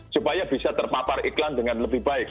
supaya bisa terpapar iklan dengan lebih baik